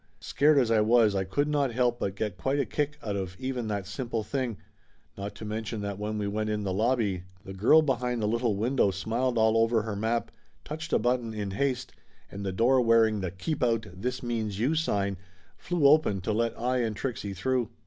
Scared as I was I could not help but get quite a kick out of even that simple thing, not to mention that when we went in the lobby the girl behind the little window smiled all ovei her map, touched a button in haste and the door wearing the Keep Out This Means You sign, flew open to let I and Trixie through.